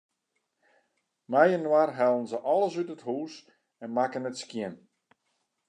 Mei-inoar hellen se alles út it hûs en makken it skjin.